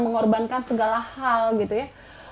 mengorbankan segala hal gitu ya